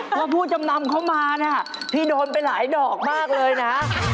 เพราะผู้จำนำเข้ามานะพี่โดนไปหลายดอกมากเลยนะ